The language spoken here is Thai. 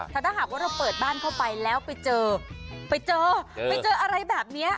แต่ถ้าหากว่าเราเปิดบ้านเข้าไปแล้วไปเจอไปเจออะไรแบบนี้